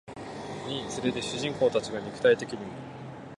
につれて主人公たちが肉体的にも